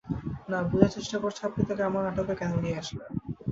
না, বুঝার চেষ্টা করছি আপনি তাকে আমার নাটকে কেন নিয়ে আসলেন।